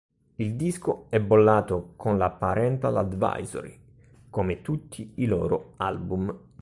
Il disco è bollato con la Parental Advisory, come tutti i loro album.